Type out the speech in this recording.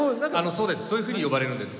そういうふうに呼ばれるんです。